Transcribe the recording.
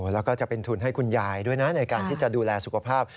แล้วก็จะเป็นทุนให้คุณยายด้วยนะในการที่จะดูแลสุขภาพ